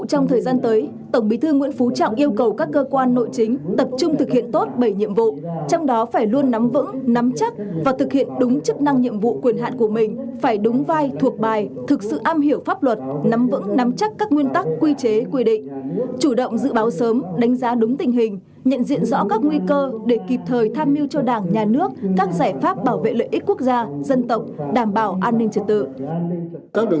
trong thời gian tới tổng bí thư nguyễn phú trọng yêu cầu các cơ quan nội chính tập trung thực hiện tốt bảy nhiệm vụ trong đó phải luôn nắm vững nắm chắc và thực hiện đúng chức năng nhiệm vụ quyền hạn của mình phải đúng vai thuộc bài thực sự am hiểu pháp luật nắm vững nắm chắc các nguyên tắc quy chế quy định chủ động dự báo sớm đánh giá đúng tình hình nhận diện rõ các nguy cơ để kịp thời tham mưu cho đảng nhà nước các giải pháp bảo vệ lợi ích quốc gia dân tộc đảm bảo an ninh trật tự